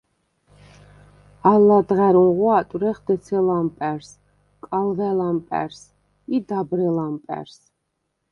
ალ ლადღა̈რუნღო ატვრეხ დეცე ლამპა̈რს, კალვა̈ ლამპა̈რს ი დაბრე ლამპა̈რს.